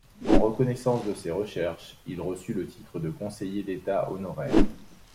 En reconnaissance de ses recherches, il reçut le titre de Conseiller d’État honoraire.